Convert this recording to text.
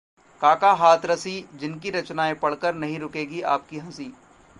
काका हाथरसी, जिनकी रचनाएं पढ़कर नहीं रुकेगी आपकी हंसी..